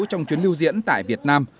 trong chuyến lưu diễn tại việt nam